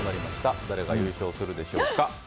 誰が優勝するでしょうか。